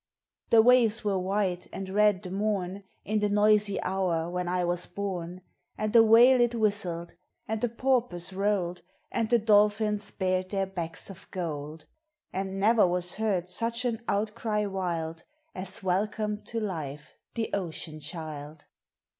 The waves were white, and red the morn, In the noisy hour when I was born; And the whale it whistled, the porpoise rolled, And the dolphins bared their backs of gold; And never was heard such an outcry wild As welcomed to life the ocean child!